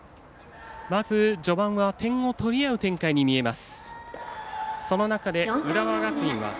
まず、序盤は点を取り合う展開に見えます。